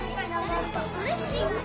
ドレッシング。